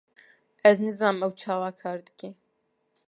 Ez nizanim ew çawa kar dike.